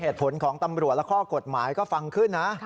เหตุผลของตำรวจและข้อกฎหมายก็ฟังขึ้นนะ